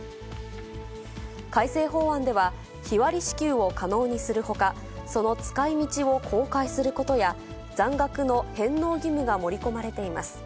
改正法案では、日割り支給を可能にするほか、その使いみちを公開することや、残額の返納義務が盛り込まれています。